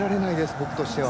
僕としては。